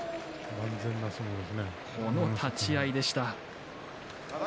万全の立ち合いでした。